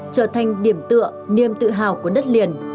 trở thành điểm tựa niềm tự hào của đất liền